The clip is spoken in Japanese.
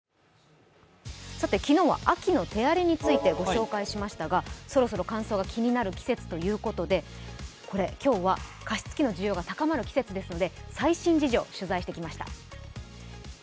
昨日は秋の手荒れについてご紹介しましたがそろそろ乾燥が気になる季節ということで今日は加湿器の需要が高まる季節ですので最新事情を取材してきました。